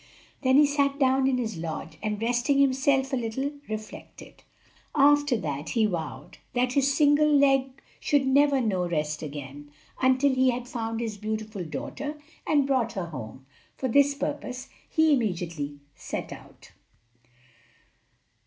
Then he sat down in his lodge, and resting himself a little, reflected. After that he vowed that his single leg should never know rest again until he had found his beautiful daughter and brought her home. For this purpose he immediately set out.